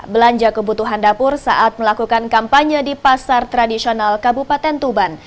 belanja kebutuhan dapur saat melakukan kampanye di pasar tradisional kabupaten tuban